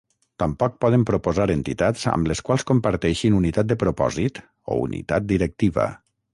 Tampoc poden proposar entitats amb les quals comparteixin unitat de propòsit o unitat directiva.